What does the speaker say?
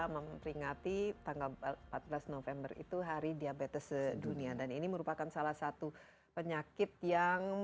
memperingati tanggal empat belas november itu hari diabetes sedunia dan ini merupakan salah satu penyakit yang